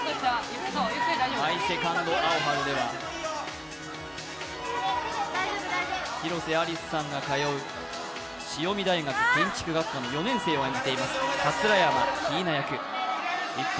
「マイ・セカンド・アオハル」では広瀬アリスさんが通う潮海大学建築学科の４年生を演じています。